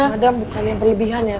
madam bukan yang perlebihan ya